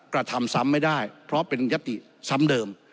กระทำซ้ำไม่ได้เพราะเป็นยติซ้ำเดิม